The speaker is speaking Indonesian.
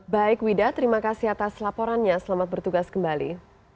baik wida terima kasih atas laporannya selamat bertugas kembali